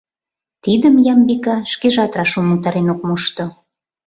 Тидым Ямбика шкежат раш умылтарен ок мошто.